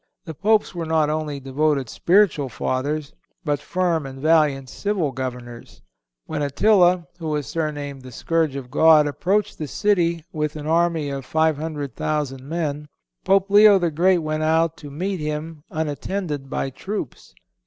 The Popes were not only devoted spiritual Fathers, but firm and valiant civil Governors. When Attila, who was surnamed "the Scourge of God," approached the city with an army of 500,000 men, Pope Leo the Great went out to meet him unattended by troops.